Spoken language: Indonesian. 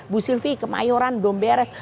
bu sylvie kemayoran belum beres